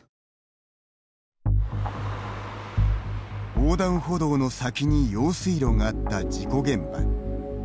横断歩道の先に用水路があった事故現場。